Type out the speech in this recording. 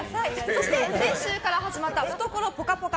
そして、先週から始まった懐ぽかぽか！